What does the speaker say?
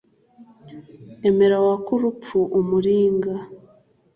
emera wake urupfu umuringa